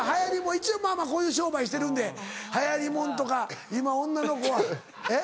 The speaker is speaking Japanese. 一応まぁまぁこういう商売してるんで流行りもんとか今女の子はえっ？